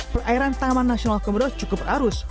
perairan taman nasional komodo cukup arus